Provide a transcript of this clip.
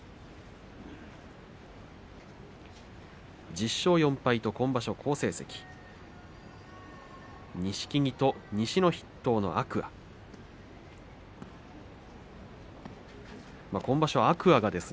１０勝４敗と好成績の錦木と西の筆頭の天空海です。